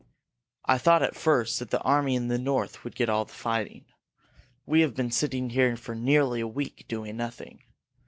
I thought at first that the army in the north would get all the fighting. We have been sitting here for nearly a week, doing nothing.